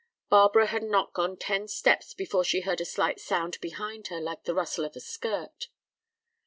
Barbara had not gone ten steps before she heard a slight sound behind her like the rustle of a skirt.